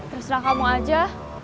terserah kamu aja